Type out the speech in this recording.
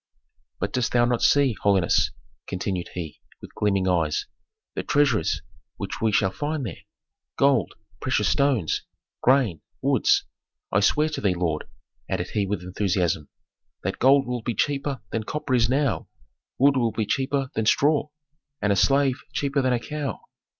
"But dost thou not see, holiness," continued he, with gleaming eyes, "the treasures which we shall find there? Gold, precious stones, grain, woods? I swear to thee, lord," added he with enthusiasm, "that gold will be cheaper than copper is now, wood will be cheaper than straw, and a slave cheaper than a cow.